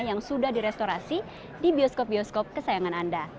yang sudah direstorasi di bioskop bioskop kesayangan anda